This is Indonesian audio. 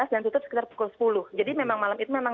dan tutup sekitar pukul sepuluh jadi memang malam itu